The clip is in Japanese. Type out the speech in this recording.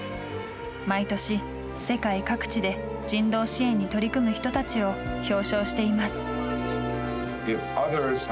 毎年、世界各地で人道支援に取り組む人たちを表彰しています。